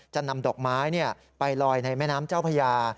จะนำดอกไม้ไปลอยในแม่น้ำเจ้าพญา